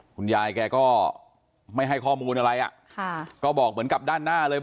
คุณยายแกก็ไม่ให้ข้อมูลอะไรอ่ะค่ะก็บอกเหมือนกับด้านหน้าเลย